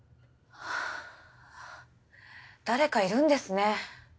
誰かいるんですね。